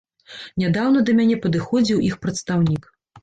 Нядаўна да мяне падыходзіў іх прадстаўнік.